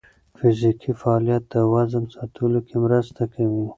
فزیکي فعالیت د وزن ساتلو کې مرسته کوي.